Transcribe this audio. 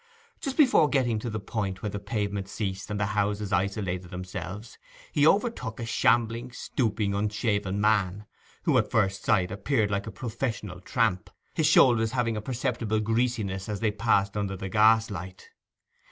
Just before getting to the point where the pavement ceased and the houses isolated themselves, he overtook a shambling, stooping, unshaven man, who at first sight appeared like a professional tramp, his shoulders having a perceptible greasiness as they passed under the gaslight.